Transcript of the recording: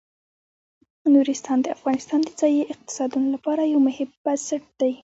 نورستان د افغانستان د ځایي اقتصادونو لپاره یو مهم بنسټ دی.